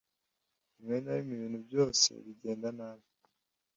Rimwe na rimwe ibintu byose bigenda nabi.